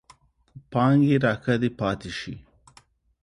پانګې راکدې پاتې شي.